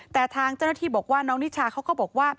แต่ทางเจ้าหน้าที่บอกว่าน้องนิชาเขาก็บอกว่า